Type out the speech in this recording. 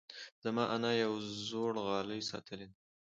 زما انا یو زوړ غالۍ ساتلی دی.